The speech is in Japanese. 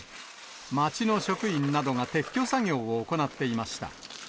町の職員などが撤去作業を行っていました。